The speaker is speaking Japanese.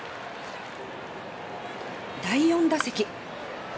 第４打席。